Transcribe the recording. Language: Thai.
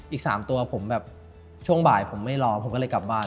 อีก๓ตัวผมแบบช่วงบ่ายผมไม่รอผมก็เลยกลับบ้าน